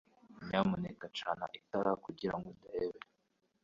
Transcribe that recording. Nyamuneka cana itara kugirango ndebe